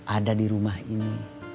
ada di rumah ini